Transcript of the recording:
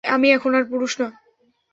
আমি এখন আর পুরুষ না।